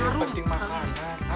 gak penting makanan